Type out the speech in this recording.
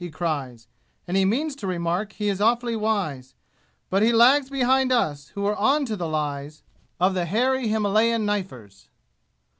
he cries, And he means to remark he is awfully wise; But he lags behind us, who are "on" to the lies Of the hairy Himalayan knifers!